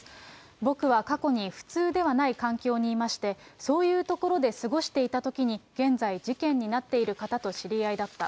僕は過去に普通ではない環境にいまして、そういうところで過ごしていたときに、現在、事件になっている方と知り合いだった。